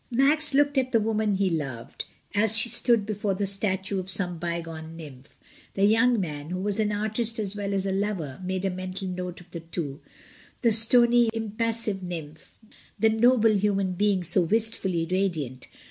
Max looked at the woman he loved, as she stood before the statue of some bygone nymph. The young man, who was an artist as well as a lover, made a mental note of the two — the stony, impassive n)niiph, the noble human being so wistfully radiant.